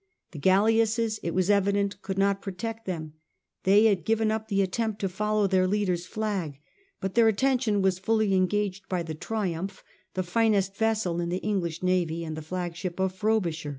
The galleasses, it was evident, could not protect them. They had given up the attempt to follow their leader's flag, but their attention was fully engaged by the Triumph, the finest vessel in the English navy and the flagship of Frobisher.